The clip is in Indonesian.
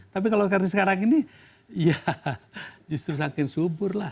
tapi kalau sekarang ini ya justru saking subur lah